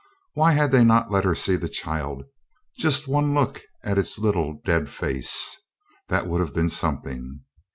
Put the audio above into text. Why had they not let her see the child just one look at its little dead face? That would have been something.